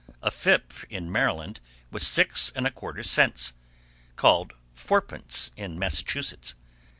A fip in Maryland was six and a quarter cents, called fourpence in Massachusetts.